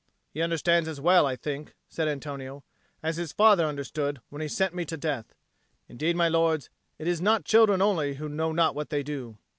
"He understands as well, I think," said Antonio, "as his father understood when he sent me to death. Indeed, my lords, it is not children only who know not what they do."